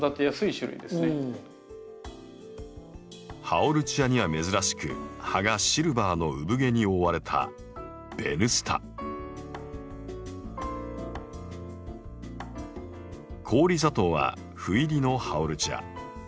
ハオルチアには珍しく葉がシルバーのうぶ毛に覆われた氷砂糖は斑入りのハオルチア。